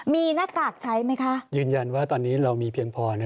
มีหน้ากากใช้ไหมคะ